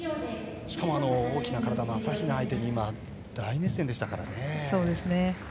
しかも大きな体の朝比奈相手に大熱戦でしたからね。